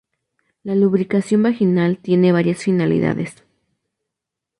La lubricación vaginal tiene varias finalidades.